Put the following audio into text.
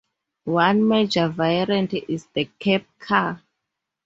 One major variant is the cab car.